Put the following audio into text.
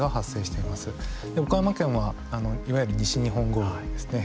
岡山県はいわゆる西日本豪雨ですね。